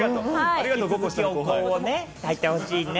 ありがとう、お香をね、たいてほしいね。